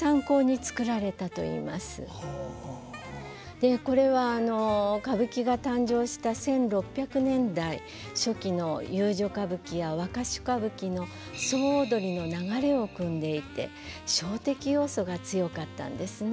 でこれは歌舞伎が誕生した１６００年代初期の遊女歌舞伎や若衆歌舞伎の総踊りの流れをくんでいてショー的要素が強かったんですね。